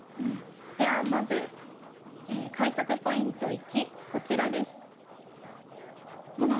ではまず改作ポイント１こちらです。